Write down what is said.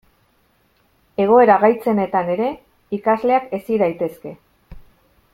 Egoera gaitzenetan ere ikasleak hezi daitezke.